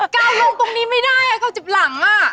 เก่าลงตรงนี้ไม่ได้เขาเจ็บหลังอะ